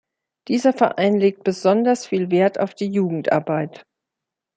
Dieser Verein legt besonders viel Wert auf die Jugendarbeit.